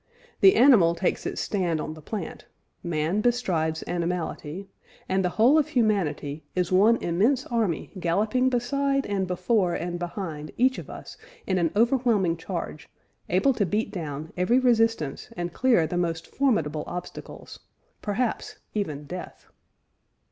The animal takes its stand on the plant, man bestrides animality, and the whole of humanity ... is one immense army galloping beside and before and behind each of us in an overwhelming charge, able to beat down every resistance and clear the most formidable obstacles, perhaps even death."